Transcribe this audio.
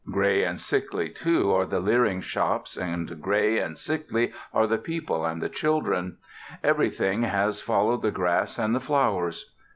Gray and sickly, too, are the leering shops, and gray and sickly are the people and the children. Everything has followed the grass and the flowers.